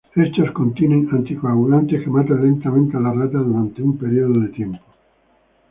Estos contienen anticoagulantes que matan lentamente a la rata durante un período de tiempo.